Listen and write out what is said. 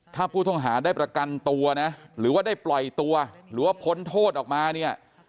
ถ้าผู้ต้องหาได้ประกันตัวนะหรือว่าได้ปล่อยตัวหรือว่าพ้นโทษออกมาเนี่ย